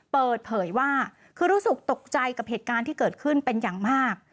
เปิดเผยว่าคือรู้สึกตกใจกับเหตุการณ์ที่เกิดขึ้นเป็นอย่างมาก